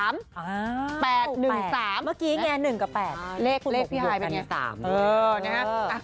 ๘๑๓เมื่อกี้ไง๑กับ๘เลขพี่ฮายเป็นยังไง๓เลยนะฮะ